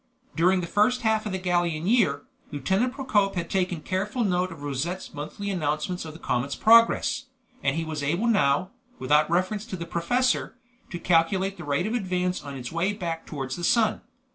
During the first half of the Gallian year, Lieutenant Procope had taken careful note of Rosette's monthly announcements of the comet's progress, and he was able now, without reference to the professor, to calculate the rate of advance on its way back towards the sun.